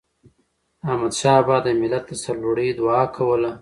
احمدشاه بابا به د ملت د سرلوړی دعا کوله.